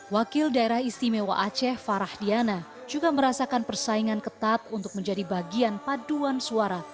wakil daerah istimewa aceh farah diana juga merasakan persaingan ketat untuk menjadi bagian paduan suara